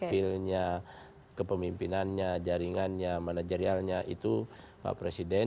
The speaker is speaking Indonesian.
feelnya kepemimpinannya jaringannya manajerialnya itu pak presiden